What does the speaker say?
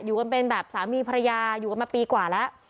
อยู่กันเป็นแบบสามีภรรยาอยู่กันมาปีกว่าแล้ว